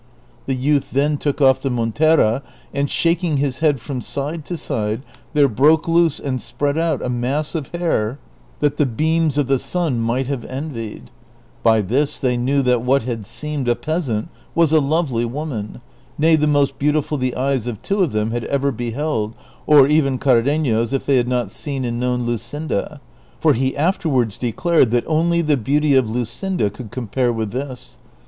The youth then took off the montera, and shaking his head from side to side there broke loose and spread out a mass of hair that the beams of the sun might have envied ; by this they knew that what had seemed a peasant was a lovely woman, nay the most beautiful the eyes of two of them had ever beheld, or even Cardenio's if they had not seen and known Luscinda, for he afterwards declared that only the beauty of Luscinda coidd compare with this.